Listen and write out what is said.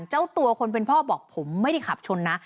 เจ้าตัวคนเป็นพ่อบอกผมไม่ได้ขับชนนะ